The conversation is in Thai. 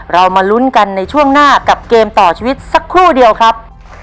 เรามาลุ้นกันในช่วงหน้ากับเกมต่อชีวิตสักครู่เดียวครับ